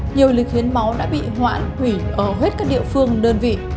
nhiều lịch hiến máu đã bị hoãn hủy ở hầu hết các địa phương đơn vị